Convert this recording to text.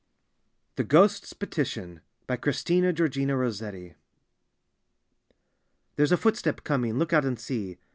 THE GHOST'S PETITION : Christina georgina ROSSETTI " There's a footstep coming; look out and see."